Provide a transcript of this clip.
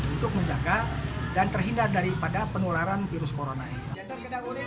untuk menjaga dan terhindar daripada penularan virus corona ini